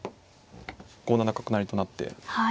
５七角成と成って。